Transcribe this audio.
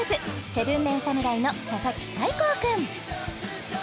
７ＭＥＮ侍の佐々木大光くん